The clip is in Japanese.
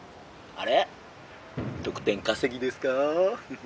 「あれ得点稼ぎですか？」。